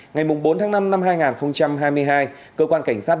ngày bốn tháng năm năm hai nghìn hai mươi hai